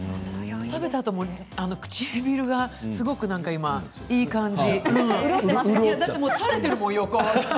食べたあとも唇がすごくいい感じ。